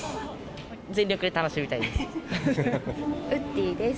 全力で楽しみたいです。